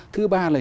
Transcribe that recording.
thứ ba là